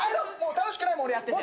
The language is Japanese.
楽しくないもん俺やってて。